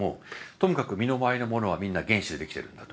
ともかく身の回りのものはみんな原子でできてるんだと。